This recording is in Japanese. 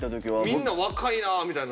みんな若いなみたいな。